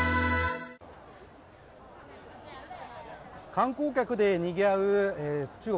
観光客でにぎわう中国